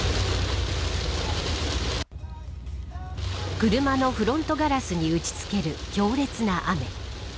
車のフロントガラスに打ち付ける強烈な雨。